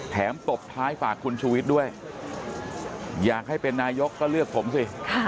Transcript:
ตบท้ายฝากคุณชูวิทย์ด้วยอยากให้เป็นนายกก็เลือกผมสิ